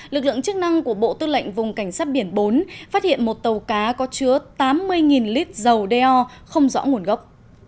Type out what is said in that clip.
lực lượng chức năng của bộ tư lệnh vùng cảnh sát biển bốn phát hiện một tàu cá có chứa tám mươi lít dầu đeo không rõ nguồn gốc